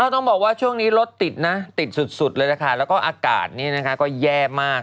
ใตต์สุดเลยนะคะแล้วก็อากาศนี่ก็แย่มาก